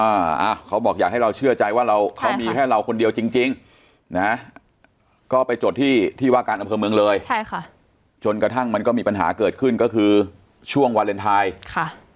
อ่าเขาบอกอยากให้เราเชื่อใจว่าเราเขามีแค่เราคนเดียวจริงจริงนะก็ไปจดที่ที่ว่าการอำเภอเมืองเลยใช่ค่ะจนกระทั่งมันก็มีปัญหาเกิดขึ้นก็คือช่วงวาเลนไทยค่ะ